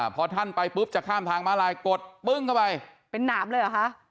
พอท่านไปปุ๊บจะข้ามทางม้าลายกดปึ้งเข้าไปเป็นหนามเลยเหรอคะ